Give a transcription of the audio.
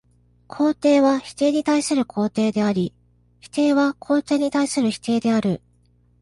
肯定は否定に対する肯定であり、否定は肯定に対する否定である。